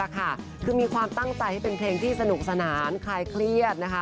คือมีความตั้งใจให้เป็นเพลงที่สนุกสนานคลายเครียดนะคะ